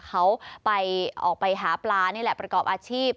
เขาไปออกไปหาปลานี่แหละประกอบอาชีพ